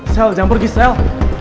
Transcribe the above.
sel jangan pergi sel